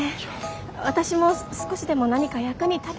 私も少しでも何か役に立てたらなと思って。